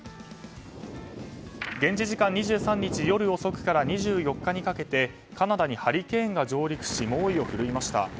現地時間２３日、夜遅くから２４日にかけてカナダにハリケーンが上陸し猛威を振るいました。